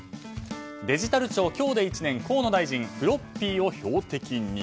デジタル庁、今日で１年河野大臣フロッピーを標的に。